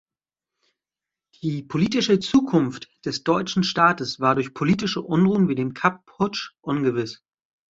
Die politische Zukunft des deutschen Staates war durch politische Unruhen wie den Kapp-Putsch ungewiss.